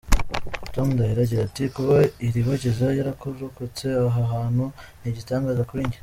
Tom Ndahiro agira ati “Kuba Ilibagiza yararokotse aha hantu ni igitangaza kuri njye.